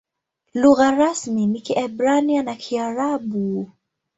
Lugha rasmi ni Kiebrania na Kiarabu.